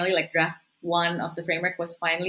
seperti draft satu dari framework terakhir